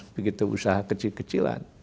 begitu usaha kecil kecilan